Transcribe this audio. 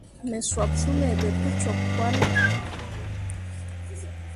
Me sup suley ɓe pu cok cahl.